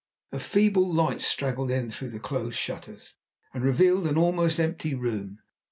A feeble light straggled in through the closed shutters, and revealed an almost empty room.